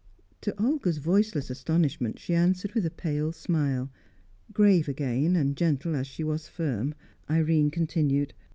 To Olga's voiceless astonishment she answered with a pale smile. Grave again, and gentle as she was firm, Irene continued.